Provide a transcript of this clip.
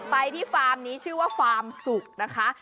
ไปที่ฟาร์มนี้ชื่อว่าฟาร์มสุกนะคะ